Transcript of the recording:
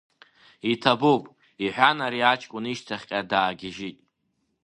Иҭабуп, — иҳәан ари аҷкәын ишьҭахьҟа даагьыжьит.